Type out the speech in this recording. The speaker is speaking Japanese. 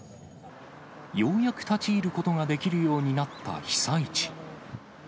ようやく立ち入ることができるようになった被災地。